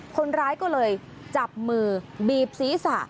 คนร้ายก็เลยจับมือบีบศีรษะ